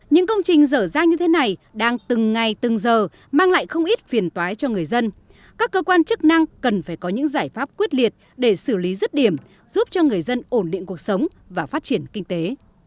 những công trình dở dang như thế này đang từng ngày từng giờ mang lại không ít phiền toái cho người dân các cơ quan chức năng cần phải có những giải pháp quyết liệt để xử lý rứt điểm giúp cho người dân ổn định cuộc sống và phát triển kinh tế